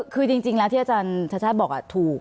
คือจริงที่อาจารย์บอกถูก